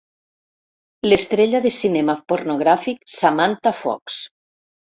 L'estrella de cinema pornogràfic Samantha Fox.